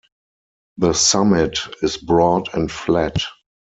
The summit is broad and flat.